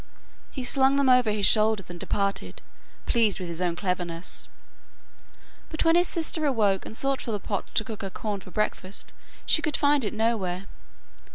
He slung them over his shoulders and departed, pleased with his own cleverness; but when his sister awoke and sought for the pot to cook her corn for breakfast, she could find it nowhere.